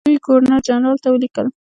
دوی ګورنرجنرال ته ولیکل.